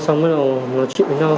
xong mới bắt đầu nói chuyện với nhau